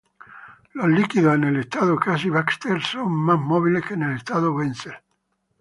Los líquidos en el estado Cassie-Baxter son más móviles que en el estado Wenzel.